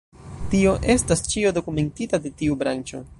Tio estas ĉio dokumentita de tiu branĉo.